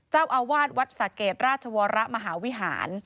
เจ้าอาวาสวัดสะเกดราชวรมหาวิหาร